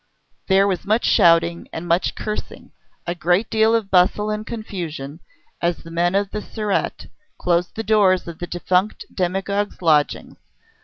There was much shouting and much cursing, a great deal of bustle and confusion, as the men of the Surete closed the doors of the defunct demagogue's lodgings.